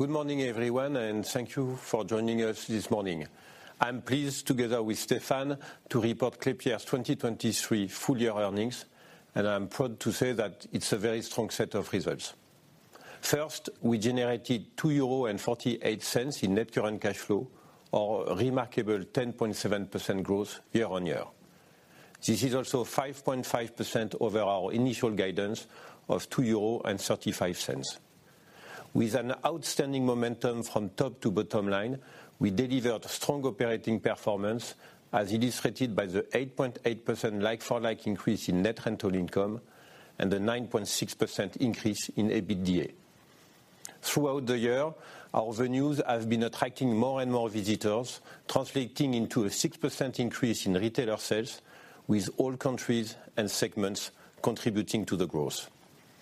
Good morning everyone, and thank you for joining us this morning. I'm pleased, together with Stéphane, to report Klépierre's 2023 full-year earnings, and I'm proud to say that it's a very strong set of results. First, we generated 2.48 euros in net current cash flow, or a remarkable 10.7% growth year-over-year. This is also 5.5% over our initial guidance of 2.35 euros. With an outstanding momentum from top to bottom line, we delivered strong operating performance, as illustrated by the 8.8% like-for-like increase in net rental income and the 9.6% increase in EBITDA. Throughout the year, our venues have been attracting more and more visitors, translating into a 6% increase in retailer sales, with all countries and segments contributing to the growth.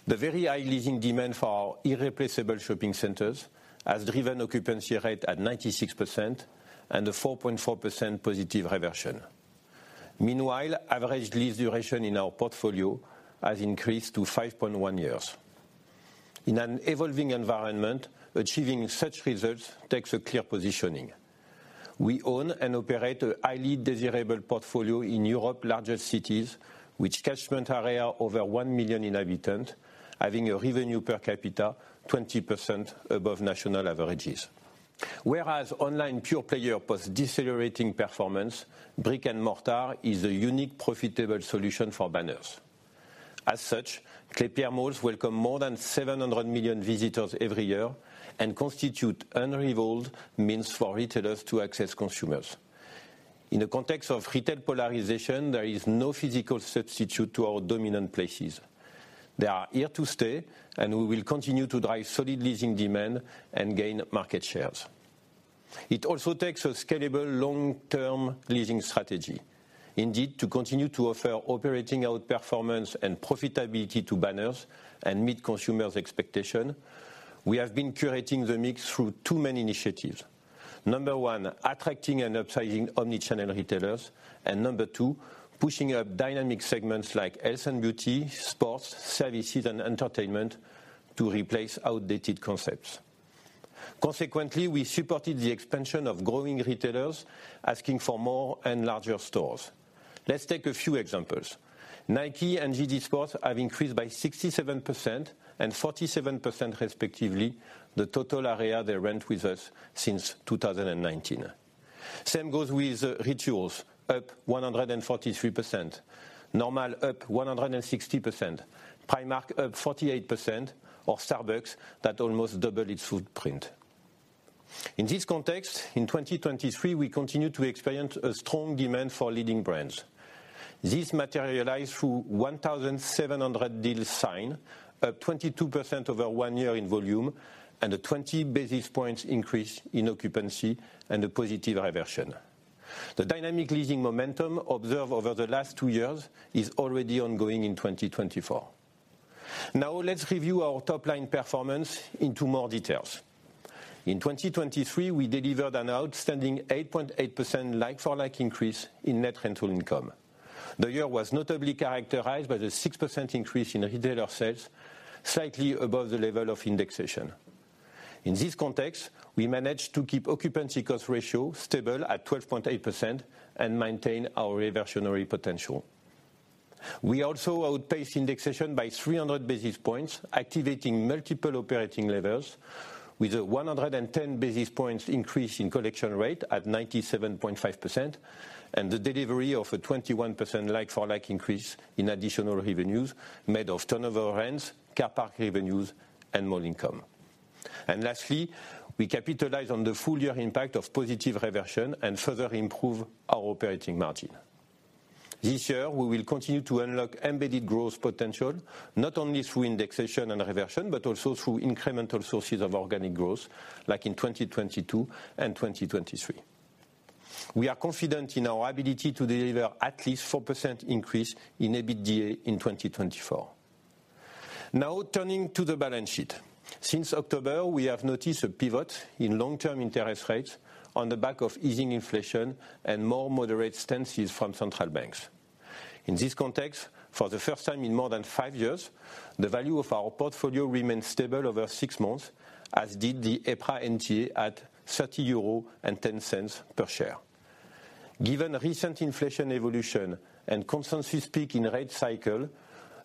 The very high leasing demand for our irreplaceable shopping centers has driven occupancy rate at 96% and a 4.4% positive reversion. Meanwhile, average lease duration in our portfolio has increased to 5.1 years. In an evolving environment, achieving such results takes a clear positioning. We own and operate a highly desirable portfolio in Europe's largest cities, with catchment areas over one million inhabitants, having a revenue per capita 20% above national averages. Whereas online pure player posts decelerating performance, brick and mortar is a unique profitable solution for banners. As such, Klépierre malls welcome more than 700 million visitors every year and constitute an unrivaled means for retailers to access consumers. In the context of retail polarization, there is no physical substitute to our dominant places. They are here to stay, and we will continue to drive solid leasing demand and gain market shares. It also takes a scalable long-term leasing strategy. Indeed, to continue to offer operating outperformance and profitability to banners and meet consumers' expectations, we have been curating the mix through two main initiatives: one, attracting and upsizing omnichannel retailers; and two, pushing up dynamic segments like health and beauty, sports, services, and entertainment to replace outdated concepts. Consequently, we supported the expansion of growing retailers, asking for more and larger stores. Let's take a few examples. Nike and JD Sports have increased by 67% and 47%, respectively, the total area they rent with us since 2019. Same goes with Rituals, up 143%, Normal up 160%, Primark up 48%, or Starbucks, that almost doubled its footprint. In this context, in 2023, we continue to experience a strong demand for leading brands. This materialized through 1,700 deals signed, up 22% over one year in volume, and a 20 basis points increase in occupancy and a positive reversion. The dynamic leasing momentum observed over the last two years is already ongoing in 2024. Now, let's review our top-line performance in two more details. In 2023, we delivered an outstanding 8.8% like-for-like increase in net rental income. The year was notably characterized by the 6% increase in retailer sales, slightly above the level of indexation. In this context, we managed to keep occupancy cost ratio stable at 12.8% and maintain our reversionary potential. We also outpaced indexation by 300 basis points, activating multiple operating levels, with a 110 basis points increase in collection rate at 97.5% and the delivery of a 21% like-for-like increase in additional revenues made of turnover rents, car park revenues, and mall income. And lastly, we capitalized on the full-year impact of positive reversion and further improved our operating margin. This year, we will continue to unlock embedded growth potential, not only through indexation and reversion, but also through incremental sources of organic growth, like in 2022 and 2023. We are confident in our ability to deliver at least 4% increase in EBITDA in 2024. Now, turning to the balance sheet. Since October, we have noticed a pivot in long-term interest rates on the back of easing inflation and more moderate stances from central banks. In this context, for the first time in more than five years, the value of our portfolio remained stable over six months, as did the EPRA NTA at 30.10 euro per share. Given recent inflation evolution and consensus peak in rate cycle,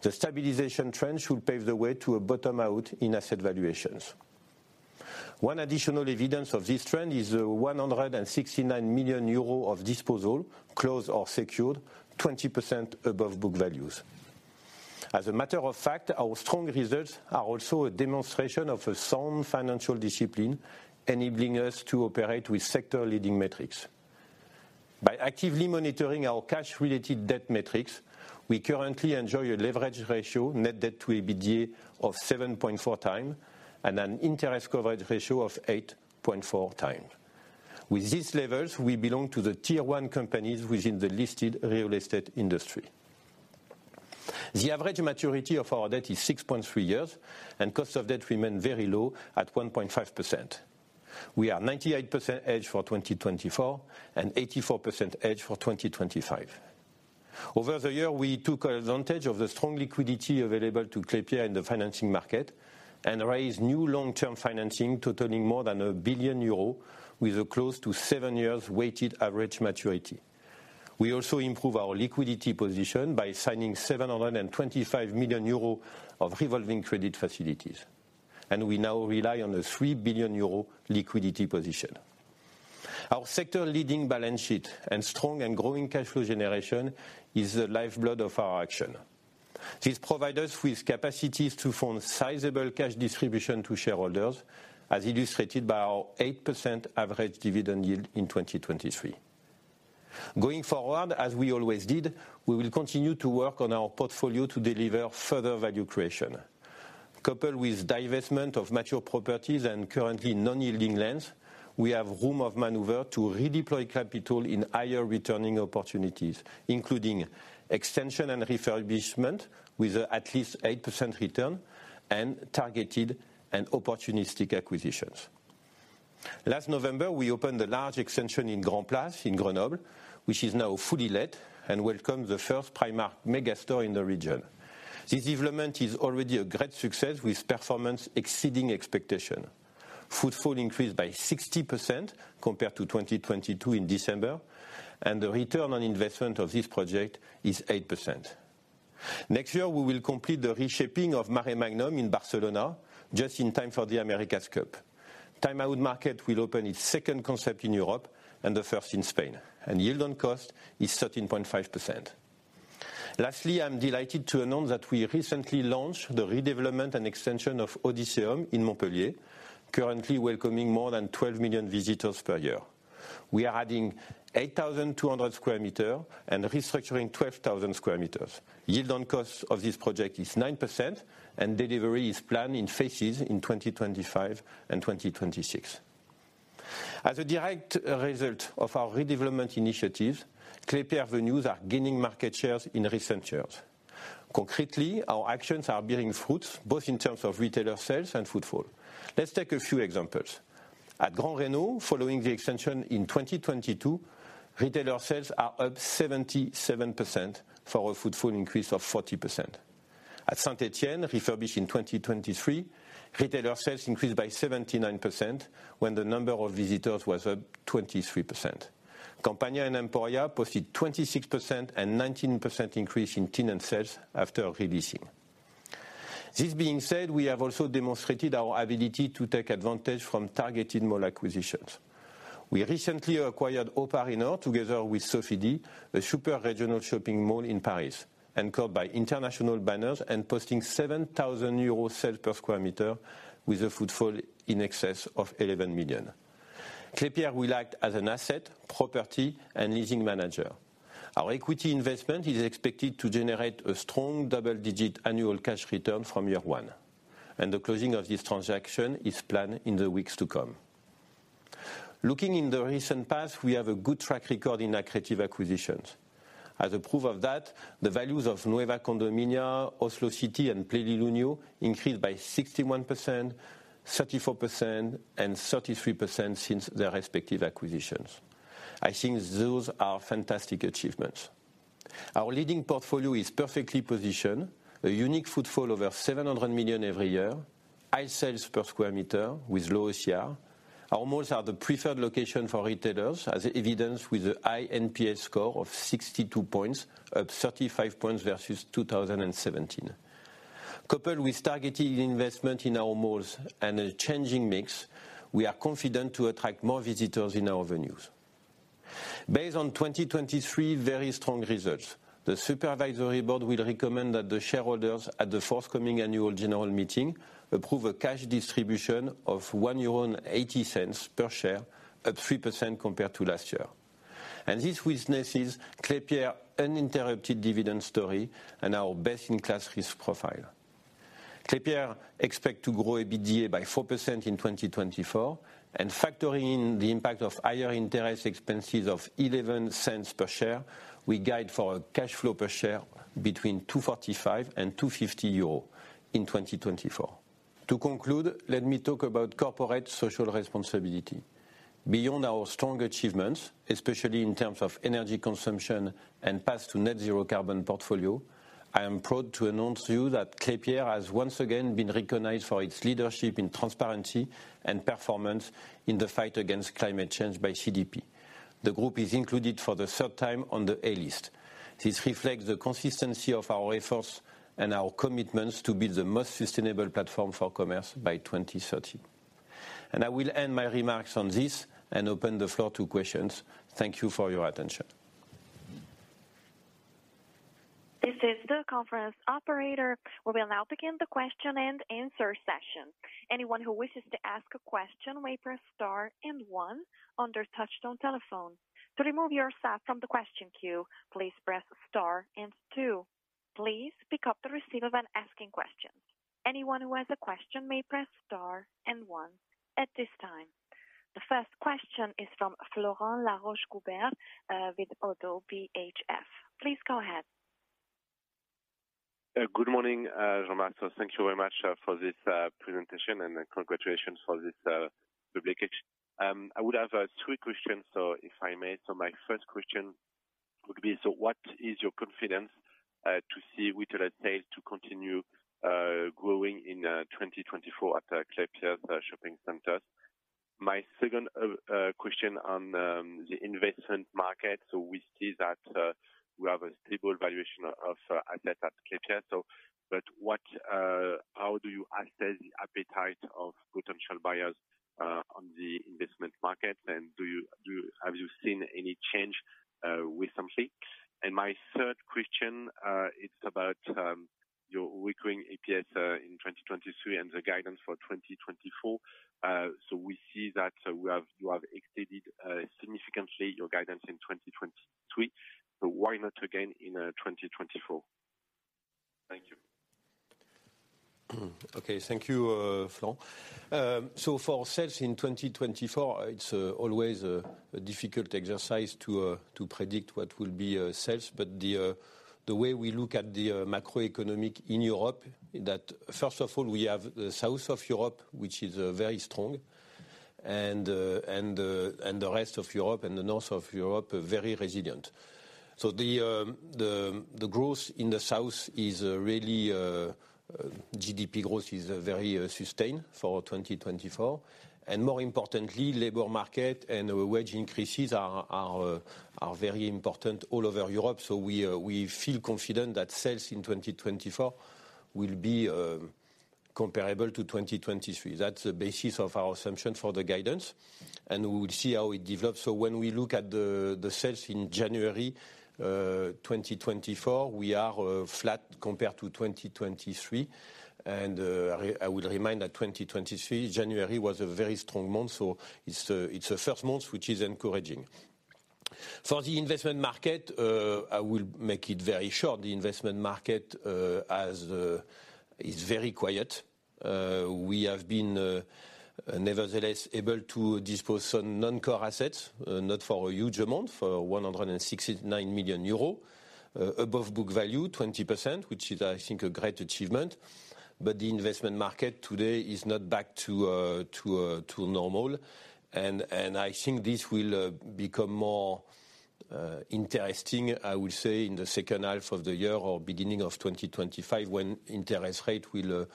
the stabilization trend should pave the way to a bottom out in asset valuations. One additional evidence of this trend is the 169 million euro disposal, closed or secured, 20% above book values. As a matter of fact, our strong results are also a demonstration of sound financial discipline, enabling us to operate with sector-leading metrics. By actively monitoring our cash-related debt metrics, we currently enjoy a leverage ratio, net debt to EBITDA, of 7.4x and an interest coverage ratio of 8.4x. With these levels, we belong to the tier-one companies within the listed real estate industry. The average maturity of our debt is 6.3 years, and cost of debt remained very low at 1.5%. We are 98% hedged for 2024 and 84% hedged for 2025. Over the year, we took advantage of the strong liquidity available to Klépierre in the financing market and raised new long-term financing, totaling more than 1 billion euros, with a close to seven years weighted average maturity. We also improved our liquidity position by signing 725 million euros of revolving credit facilities, and we now rely on a 3 billion euro liquidity position. Our sector-leading balance sheet and strong and growing cash flow generation is the lifeblood of our action. This provides us with capacities to fund sizable cash distribution to shareholders, as illustrated by our 8% average dividend yield in 2023. Going forward, as we always did, we will continue to work on our portfolio to deliver further value creation. Coupled with divestment of mature properties and currently non-yielding lands, we have room of maneuver to redeploy capital in higher returning opportunities, including extension and refurbishment with at least 8% return and targeted and opportunistic acquisitions. Last November, we opened a large extension in Grand'Place, in Grenoble, which is now fully let and welcomes the first Primark megastore in the region. This development is already a great success, with performance exceeding expectations: footfall increased by 60% compared to 2022 in December, and the return on investment of this project is 8%. Next year, we will complete the reshaping of Maremagnum in Barcelona, just in time for the America's Cup. Time Out Market will open its second concept in Europe and the first in Spain, and yield on cost is 13.5%. Lastly, I'm delighted to announce that we recently launched the redevelopment and extension of Odysseum in Montpellier, currently welcoming more than 12 million visitors per year. We are adding 8,200 square meters and restructuring 12,000 square meters. Yield on cost of this project is 9%, and delivery is planned in phases in 2025 and 2026. As a direct result of our redevelopment initiatives, Klépierre venues are gaining market shares in recent years. Concretely, our actions are bearing fruits, both in terms of retailer sales and footfall. Let's take a few examples. At Gran Reno, following the extension in 2022, retailer sales are up 77% for a footfall increase of 40%. At Saint-Étienne, refurbished in 2023, retailer sales increased by 79% when the number of visitors was up 23%. Campania and Emporia posted 26% and 19% increase in tenant sales after releasing. This being said, we have also demonstrated our ability to take advantage from targeted mall acquisitions. We recently acquired O'Parinor, together with Sofidy, a super regional shopping mall in Paris, anchored by international banners and posting 7,000 euro sales per square meter with a footfall in excess of 11 million. Klépierre, we liked as an asset, property, and leasing manager. Our equity investment is expected to generate a strong double-digit annual cash return from year one, and the closing of this transaction is planned in the weeks to come. Looking in the recent past, we have a good track record in accretive acquisitions. As a proof of that, the values of Nueva Condomina, Oslo City, and Plaza Río 2 increased by 61%, 34%, and 33% since their respective acquisitions. I think those are fantastic achievements. Our leading portfolio is perfectly positioned, a unique footfall over 700 million every year, high sales per square meter with low OCR. Our malls are the preferred location for retailers, as evidenced with a high NPS score of 62 points, up 35 points versus 2017. Coupled with targeted investment in our malls and a changing mix, we are confident to attract more visitors in our venues. Based on 2023's very strong results, the supervisory board will recommend that the shareholders at the forthcoming annual general meeting approve a cash distribution of 1.80 euro per share, up 3% compared to last year. This witnesses Klépierre's uninterrupted dividend story and our best-in-class risk profile. Klépierre expects to grow EBITDA by 4% in 2024, and factoring in the impact of higher interest expenses of 0.11 per share, we guide for a cash flow per share between 245 and 250 euros in 2024. To conclude, let me talk about corporate social responsibility. Beyond our strong achievements, especially in terms of energy consumption and path to net-zero carbon portfolio, I am proud to announce to you that Klépierre has once again been recognized for its leadership in transparency and performance in the fight against climate change by CDP. The group is included for the third time on the A-list. This reflects the consistency of our efforts and our commitments to build the most sustainable platform for commerce by 2030. I will end my remarks on this and open the floor to questions. Thank you for your attention. This is the conference operator. We will now begin the question-and-answer session. Anyone who wishes to ask a question may press star and one on their touch-tone telephone. To remove yourself from the question queue, please press star and two. Please pick up the receiver when asking questions. Anyone who has a question may press star and one at this time. The first question is from Florent Laroche-Joubert with ODDO BHF. Please go ahead. Good morning, Jean-Marc Jestin. Thank you very much for this presentation, and congratulations for this publication. I would have three questions, if I may. So my first question would be, so what is your confidence to see retailer sales continue growing in 2024 at Klépierre's shopping centers? My second question on the investment market, so we see that we have a stable valuation of assets at Klépierre. But how do you assess the appetite of potential buyers on the investment markets, and have you seen any change recently? And my third question, it's about your recurring EPS in 2023 and the guidance for 2024. So we see that you have exceeded significantly your guidance in 2023. So why not again in 2024? Thank you. Okay. Thank you, Florent. So for sales in 2024, it's always a difficult exercise to predict what will be sales. But the way we look at the macroeconomic in Europe, first of all, we have the south of Europe, which is very strong, and the rest of Europe and the north of Europe very resilient. So the growth in the south is really GDP growth is very sustained for 2024. And more importantly, labor market and wage increases are very important all over Europe. So we feel confident that sales in 2024 will be comparable to 2023. That's the basis of our assumption for the guidance, and we will see how it develops. So when we look at the sales in January 2024, we are flat compared to 2023. And I will remind that 2023, January, was a very strong month. So it's a first month, which is encouraging. For the investment market, I will make it very short. The investment market is very quiet. We have been nevertheless able to dispose of some non-core assets, not for a huge amount, for 169 million euros, above book value 20%, which is, I think, a great achievement. But the investment market today is not back to normal. And I think this will become more interesting, I would say, in the second half of the year or beginning of 2025 when interest rates will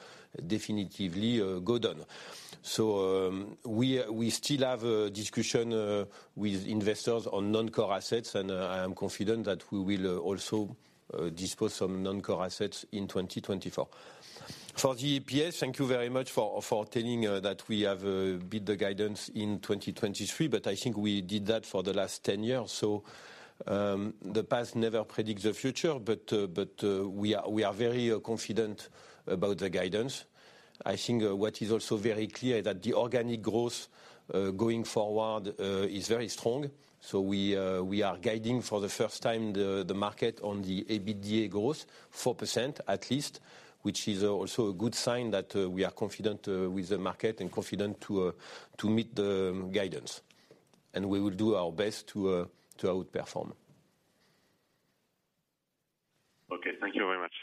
definitively go down. So we still have a discussion with investors on non-core assets, and I am confident that we will also dispose of some non-core assets in 2024. For the EPS, thank you very much for telling that we have beat the guidance in 2023. But I think we did that for the last 10 years. The past never predicts the future, but we are very confident about the guidance. I think what is also very clear is that the organic growth going forward is very strong. We are guiding for the first time the market on the EBITDA growth, 4% at least, which is also a good sign that we are confident with the market and confident to meet the guidance. We will do our best to outperform. Okay. Thank you very much.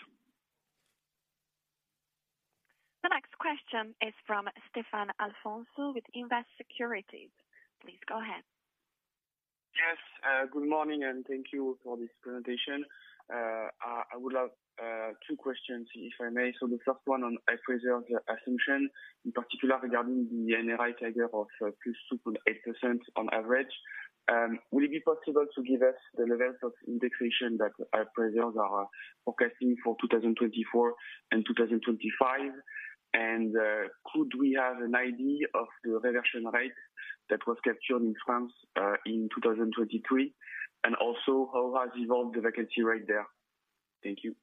The next question is from Stéphane Alfonso with Invest Securities. Please go ahead. Yes. Good morning, and thank you for this presentation. I would have two questions, if I may. So the first one on appraisers assumption, in particular regarding the NRI trigger of +2.8% on average. Will it be possible to give us the levels of indexation that IPRESERVE are forecasting for 2024 and 2025? And could we have an idea of the reversion rate that was captured in France in 2023? And also, how has evolved the vacancy rate there? Thank you.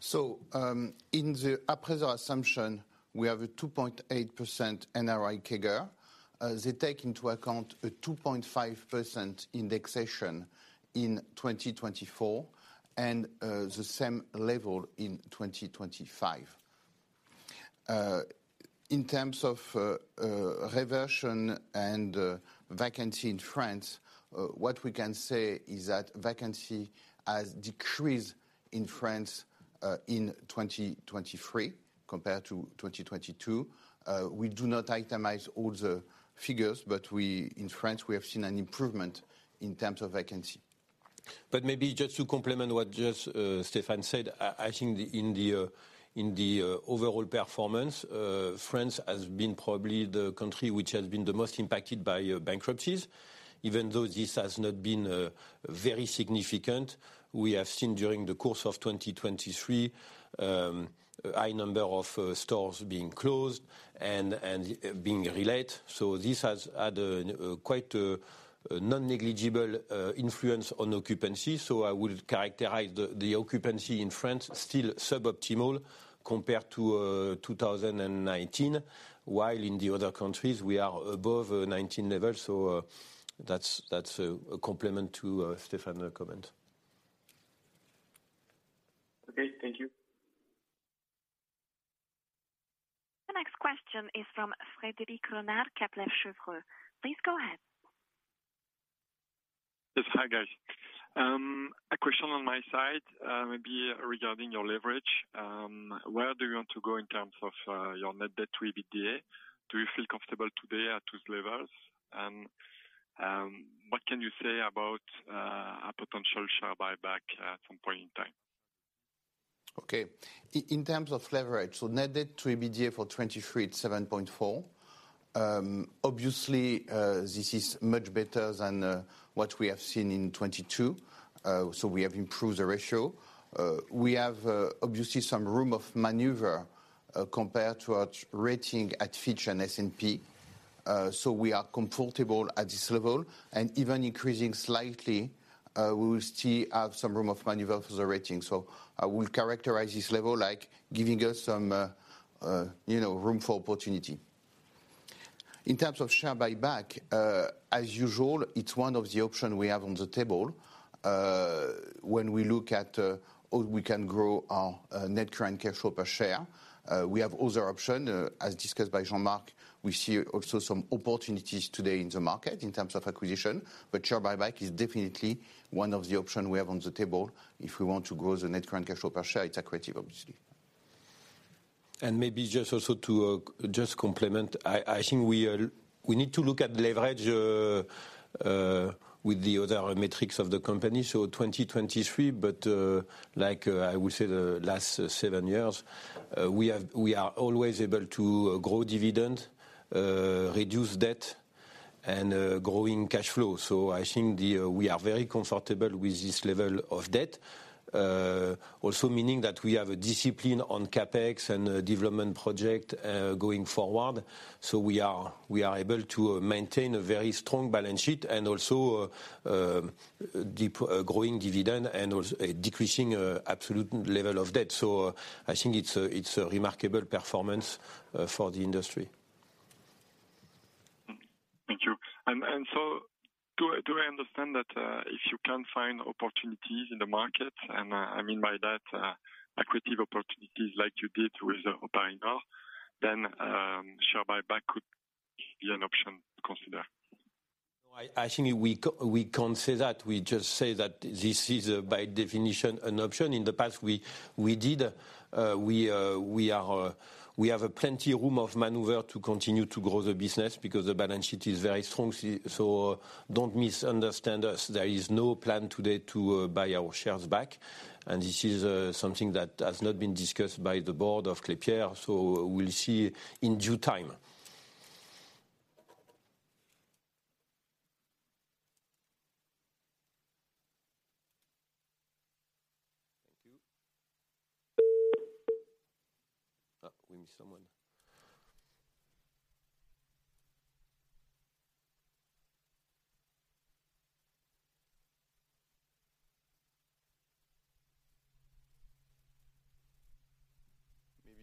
So in the IPRESERVE assumption, we have a 2.8% NRI trigger. They take into account a 2.5% indexation in 2024 and the same level in 2025. In terms of reversion and vacancy in France, what we can say is that vacancy has decreased in France in 2023 compared to 2022. We do not itemize all the figures, but in France, we have seen an improvement in terms of vacancy. But maybe just to complement what just Stéphane said, I think in the overall performance, France has been probably the country which has been the most impacted by bankruptcies. Even though this has not been very significant, we have seen during the course of 2023 a high number of stores being closed and being relayed. So this has had quite a non-negligible influence on occupancy. So I would characterize the occupancy in France still suboptimal compared to 2019, while in the other countries, we are above 2019 levels. So that's a complement to Stéphane's comment. Okay. Thank you. The next question is from Frédéric Renard, Kepler Cheuvreux. Please go ahead. Yes. Hi, guys. A question on my side, maybe regarding your leverage. Where do you want to go in terms of your net debt to EBITDA? Do you feel comfortable today at those levels? And what can you say about a potential share buyback at some point in time? Okay. In terms of leverage, so net debt to EBITDA for 2023, it's 7.4. Obviously, this is much better than what we have seen in 2022. So we have improved the ratio. We have, obviously, some room of maneuver compared to our rating at Fitch and S&P. So we are comfortable at this level. And even increasing slightly, we will still have some room of maneuver for the rating. So I will characterize this level like giving us some room for opportunity. In terms of share buyback, as usual, it's one of the options we have on the table. When we look at how we can grow our net current cash flow per share, we have other options. As discussed by Jean-Marc, we see also some opportunities today in the market in terms of acquisition. But share buyback is definitely one of the options we have on the table. If we want to grow the Net Current Cash Flow per share, it's accretive, obviously. And maybe just also to just complement, I think we need to look at leverage with the other metrics of the company, so 2023. But like I will say, the last seven years, we are always able to grow dividend, reduce debt, and growing cash flow. So I think we are very comfortable with this level of debt, also meaning that we have a discipline on CapEx and development projects going forward. So we are able to maintain a very strong balance sheet and also growing dividend and decreasing absolute level of debt. So I think it's a remarkable performance for the industry. Thank you. And so do I understand that if you can find opportunities in the markets, and I mean by that accretive opportunities like you did with O'Parinor, then share buyback could be an option to consider? I think we can't say that. We just say that this is, by definition, an option. In the past, we did. We have plenty of room of maneuver to continue to grow the business because the balance sheet is very strong. So don't misunderstand us. There is no plan today to buy our shares back. And this is something that has not been discussed by the board of Klépierre. So we'll see in due time.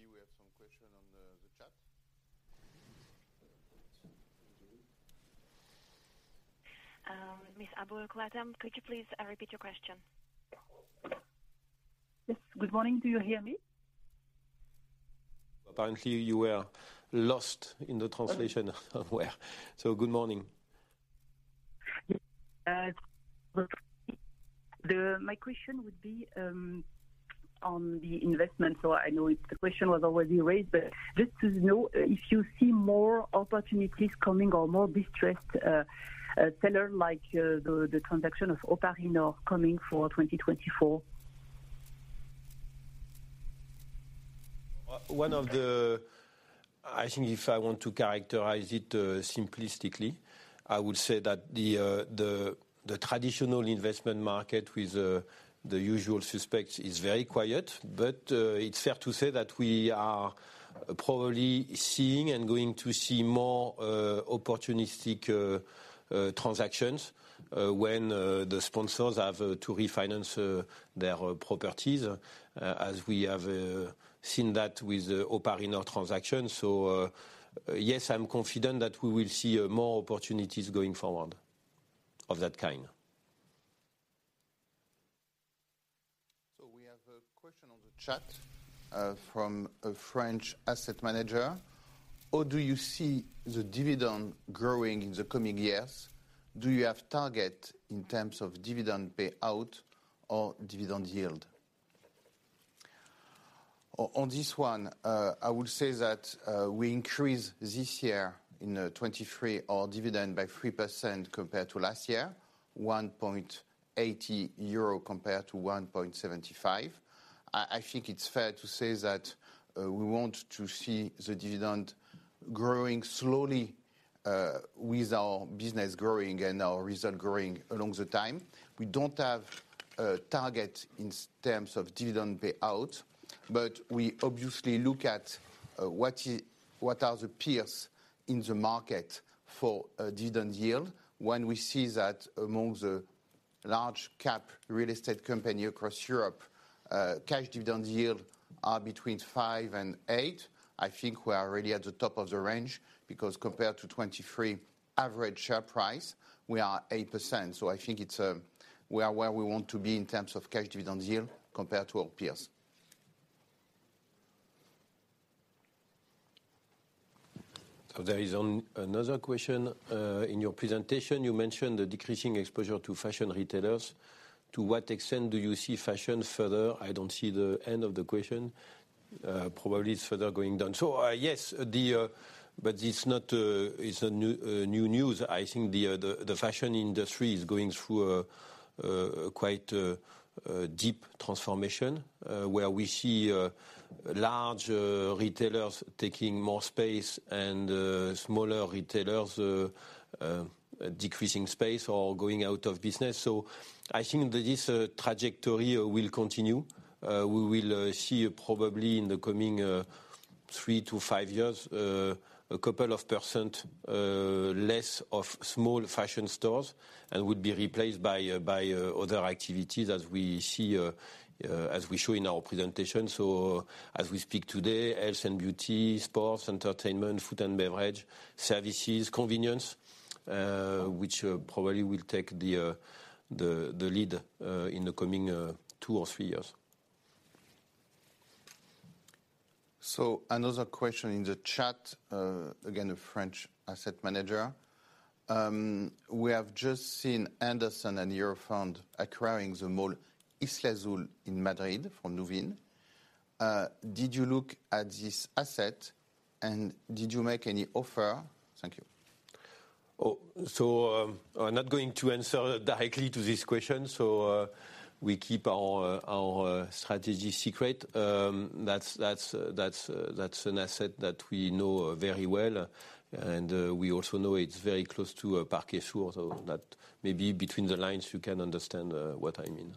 Thank you. We missed someone. Maybe we have some question on the chat. Ms. Aboulkhouatam, could you please repeat your question? Yes. Good morning. Do you hear me? Apparently, you were lost in the translation somewhere. Good morning. My question would be on the investment. I know the question was already raised. Just to know if you see more opportunities coming or more distressed sellers like the transaction of O'Parinor coming for 2024? I think if I want to characterize it simplistically, I would say that the traditional investment market with the usual suspects is very quiet. But it's fair to say that we are probably seeing and going to see more opportunistic transactions when the sponsors have to refinance their properties, as we have seen that with O'Parinor transactions. So yes, I'm confident that we will see more opportunities going forward of that kind. So we have a question on the chat from a French asset manager. How do you see the dividend growing in the coming years? Do you have targets in terms of dividend payout or dividend yield? On this one, I would say that we increased this year in 2023 our dividend by 3% compared to last year, 1.80 euro compared to 1.75. I think it's fair to say that we want to see the dividend growing slowly with our business growing and our result growing along the time. We don't have a target in terms of dividend payout. But we obviously look at what are the peers in the market for dividend yield. When we see that among the large cap real estate companies across Europe, cash dividend yields are between 5%-8%, I think we are really at the top of the range because compared to 2023 average share price, we are 8%. So I think we are where we want to be in terms of cash dividend yield compared to our peers. So there is another question in your presentation. You mentioned the decreasing exposure to fashion retailers. To what extent do you see fashion further? I don't see the end of the question. Probably it's further going down. So yes, but it's not new news. I think the fashion industry is going through a quite deep transformation where we see large retailers taking more space and smaller retailers decreasing space or going out of business. So I think this trajectory will continue. We will see probably in the coming three to five years a couple of % less of small fashion stores and would be replaced by other activities as we show in our presentation. So as we speak today, health and beauty, sports, entertainment, food and beverage, services, convenience, which probably will take the lead in the coming two or three years. So another question in the chat, again, a French asset manager. We have just seen Henderson and Eurofund acquiring the mall Islazul in Madrid from Nuveen. Did you look at this asset, and did you make any offer? Thank you. So I'm not going to answer directly to this question. So we keep our strategy secret. That's an asset that we know very well. And we also know it's very close to Parquesur. So maybe between the lines, you can understand what I mean.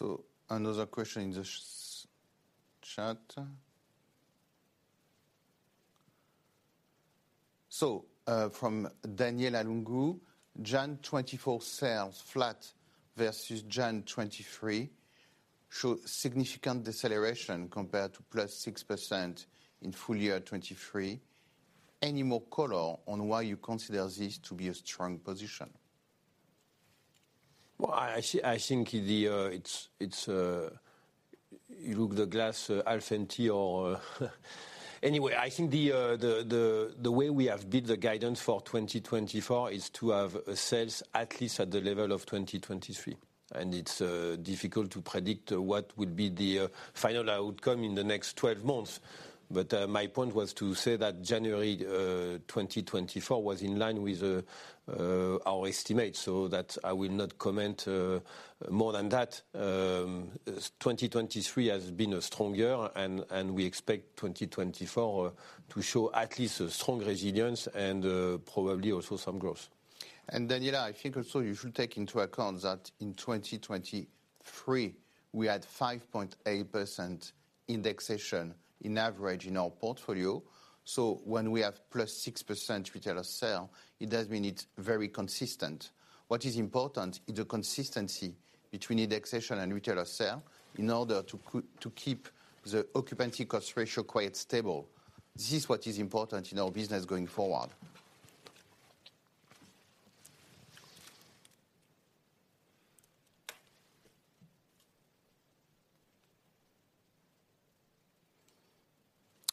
So another question in the chat. So from Daniela Lungu, January 2024 sales flat versus January 2023 show significant deceleration compared to +6% in full year 2023. Any more color on why you consider this to be a strong position? Well, I think you look at the glass half empty or anyway, I think the way we have given the guidance for 2024 is to have sales at least at the level of 2023. It's difficult to predict what will be the final outcome in the next 12 months. My point was to say that January 2024 was in line with our estimates. I will not comment more than that. 2023 has been stronger, and we expect 2024 to show at least strong resilience and probably also some growth. Daniela, I think also you should take into account that in 2023, we had 5.8% indexation in average in our portfolio. When we have +6% retailer sale, it does mean it's very consistent. What is important is the consistency between indexation and retailer sale in order to keep the occupancy cost ratio quite stable. This is what is important in our business going forward.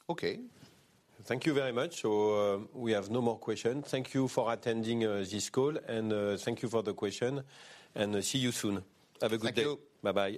Okay. Thank you very much. We have no more questions. Thank you for attending this call, and thank you for the question. See you soon. Have a good day. Thank you. Bye-bye.